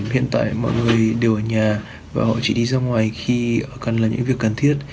hiện tại mọi người đều ở nhà và họ chỉ đi ra ngoài khi cần làm những việc cần thiết